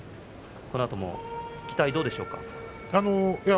このあとも期待どうでしょうか？